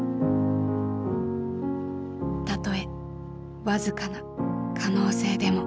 たとえ僅かな可能性でも。